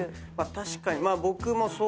確かに。